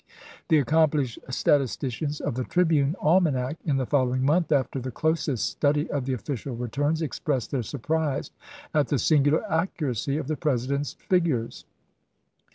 The accomplished statisticians of the " Tribune " almanac in the following month, after the closest study of the official returns, expressed their surprise "at the singular accuracy of the President's figures."